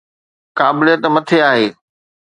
قابليت مٽي آهي.